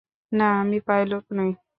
না, আমি পাইলট নই।